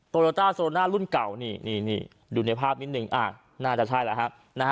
โลต้าโซโรน่ารุ่นเก่านี่ดูในภาพนิดนึงน่าจะใช่แล้วฮะ